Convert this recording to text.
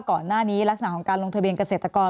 ก่อนหน้านี้ลักษณะของการลงทะเบียนเกษตรกร